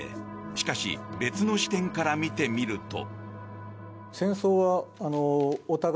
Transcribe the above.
しかし別の視点から見てみると。